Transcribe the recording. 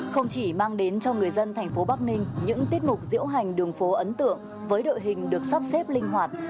không chỉ mang đến cho người dân thành phố bắc ninh những tiết mục diễu hành đường phố ấn tượng với đội hình được sắp xếp linh hoạt